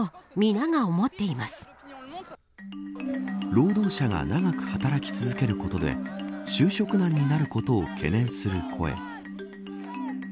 労働者が長く働き続けることで就職難になることを懸念する声。